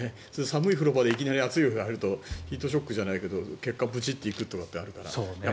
寒い風呂場でいきなり熱い風呂に入るとヒートショックじゃないけど血管がブチッていくことあるから。